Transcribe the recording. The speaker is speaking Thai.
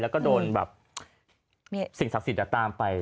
แล้วก็โดนแบบสิ่งศักดิ์สิทธิ์ตามไป